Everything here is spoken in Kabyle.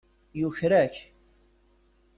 Yuker-ak.